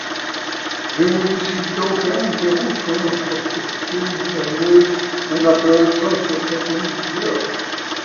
Je me décide donc à interrompre son introspection burnée en apparaissant sur son téléviseur.